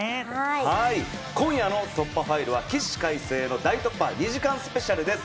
はい、今夜の『突破ファイル』は起死回生の大突破２時間スペシャルです。